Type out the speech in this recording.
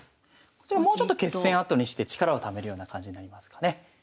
こちらもうちょっと決戦後にして力をためるような感じになりますかね。